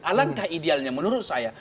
alangkah idealnya menurut saya